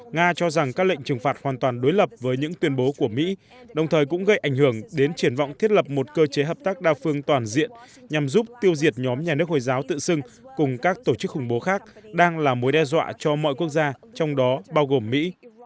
nga cho rằng các lệnh trừng phạt hoàn toàn đối lập với những tuyên bố của mỹ đồng thời cũng gây ảnh hưởng đến triển vọng thiết lập một cơ chế hợp tác đa phương toàn diện nhằm giúp tiêu diệt nhóm nhà nước hồi giáo tự xưng cùng các tổ chức khủng bố khác đang là mối đe dọa cho mọi quốc gia trong đó bao gồm mỹ